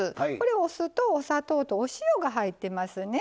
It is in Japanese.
お酢と、お砂糖と、お塩が入っていますね。